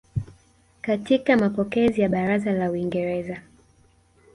katika mapokezi ya Baraza la Uingereza